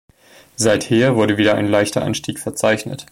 Seither wurde wieder ein leichter Anstieg verzeichnet.